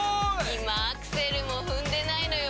今アクセルも踏んでないのよ